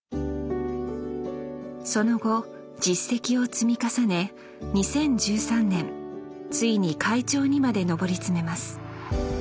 その後実績を積み重ね２０１３年ついに会長にまで上り詰めます